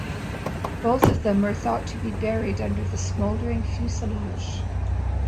Both of them were thought to be buried under the smouldering fuselage.